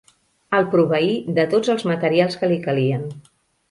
El proveí de tots els materials que li calien.